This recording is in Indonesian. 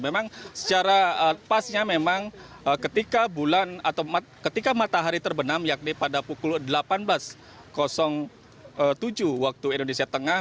memang secara pasnya memang ketika bulan atau ketika matahari terbenam yakni pada pukul delapan belas tujuh waktu indonesia tengah